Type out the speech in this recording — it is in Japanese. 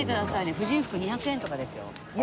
婦人服２００円とかですよ。